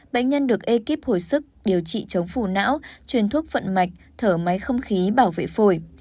bệnh nhân được ekip hồi sức điều trị chống phủ não chuyển thuốc phận mạch thở máy không khí bảo vệ phổi